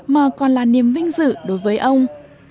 mà còn là niềm vinh dự đối với ông